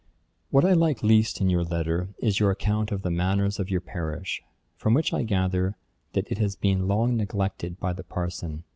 'What I like least in your letter is your account of the manners of your parish; from which I gather, that it has been long neglected by the parson.